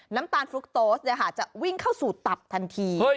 น้ำตาลฟลุกโต๊สจะวิ่งเข้าสู่ตับทันที